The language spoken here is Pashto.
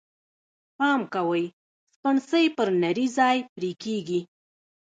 پام کوئ! سپڼسی پر نري ځای پرې کېږي.